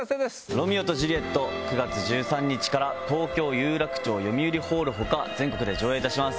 『ロミオとジュリエット』９月１３日から東京・有楽町よみうりホール他全国で上演いたします。